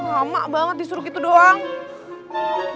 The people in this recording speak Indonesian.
lama banget disuruh gitu doang